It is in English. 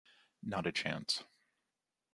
Not a chance!